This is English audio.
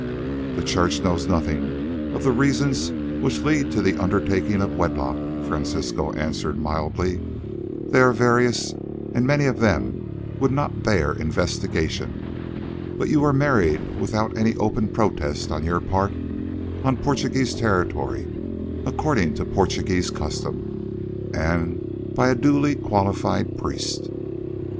"The Church knows nothing of the reasons which lead to the undertaking of wedlock," Francisco answered mildly. "They are various, and many of them would not bear investigation. But you were married without any open protest on your part, on Portuguese territory, according to Portuguese custom, and by a duly qualified priest.